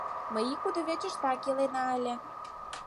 Ме ик кудывечыштак илена ыле.